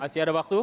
masih ada waktu